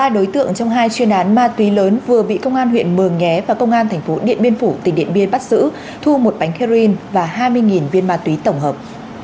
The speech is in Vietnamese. ba đối tượng trong hai chuyên án ma túy lớn vừa bị công an huyện mường nhé và công an tp điện biên phủ tỉnh điện biên bắt giữ thu một bánh heroin và hai mươi viên ma túy tổng hợp